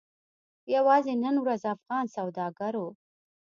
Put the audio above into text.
یوازې نن ورځ افغان سوداګرو